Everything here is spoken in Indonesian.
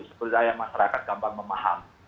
seperti saya masyarakat gampang memaham